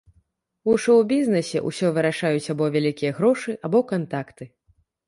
У шоў-бізнэсе ўсё вырашаюць або вялікія грошы, або кантакты.